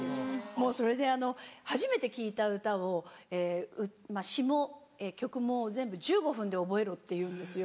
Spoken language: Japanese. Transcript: もうそれであの初めて聴いた歌を詞も曲も全部１５分で覚えろっていうんですよ。